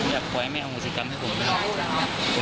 อยากขอให้แม่อโหสิกรรมให้ผมนะครับ